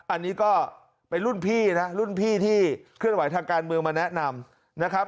อันนี้ก็เป็นรุ่นพี่นะรุ่นพี่ที่เคลื่อนไหวทางการเมืองมาแนะนำนะครับ